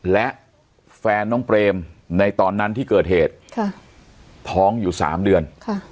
และแฟนน้องเปรมในตอนนั้นที่เกิดเหตุท้องอยู่๓เดือน